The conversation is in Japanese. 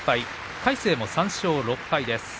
魁勝も３勝６敗です。